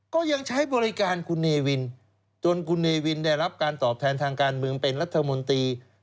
ก็ยังใช้บริการคุณเนวินจนคุณเนวินได้รับการตอบแทนทางการเมืองเป็นรัฐมนตรี